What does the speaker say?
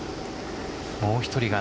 もう１人が